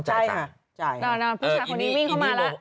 จ่ายค่ะนะพี่ฉลาดคนนี้วิ่งเข้ามาแล้ว